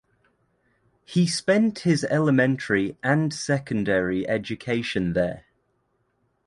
He spent his elementary and secondary education there.